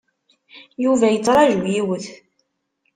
Yuba yettṛaju yiwet.